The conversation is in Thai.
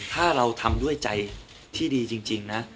ถ้าเราทำด้วยใจที่ดีจริงนะ